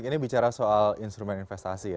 ini bicara soal instrumen investasi ya